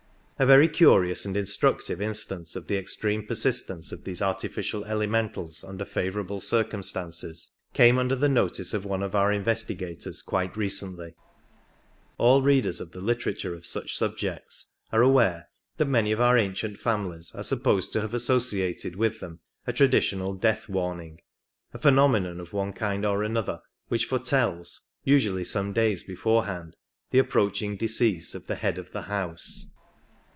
A very curious and instructive instance of the extreme persistence of these artificial elementals under favourable circumstances came under the notice of one of our investi gators quite recently. All readers of the literature of such subjects are aware that many of our ancient families are supposed to have associated with them a traditional death warning — z. phenomenon of one kind or another which fore tells, usually some days beforehand, the approaching decease of the head of the house.